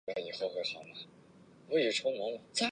银穗草为禾本科银穗草属下的一个种。